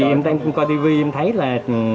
em đang coi tv em thấy là